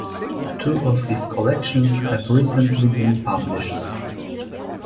Two of his collections have recently been published.